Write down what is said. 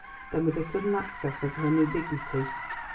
Then with a sudden access of her new dignity.